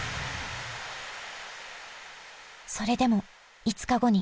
それでも５日後に。